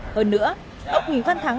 hơn nữa ông huỳnh văn thắng